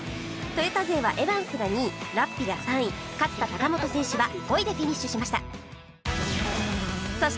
トヨタ勢はエバンスが２位ラッピが３位勝田貴元選手は５位でフィニッシュしました